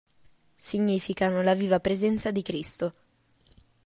Significano la viva presenza di Cristo.